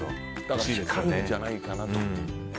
だから、光るんじゃないかなと。